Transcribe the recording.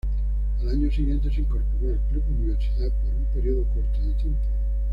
Al año siguiente se incorporó al Club Universidad por un periodo corto de tiempo.